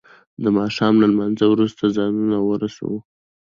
د ما ښام له لما نځه وروسته ځانونه ورسو.